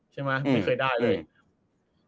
ใช่ไหมไม่เคยได้เลย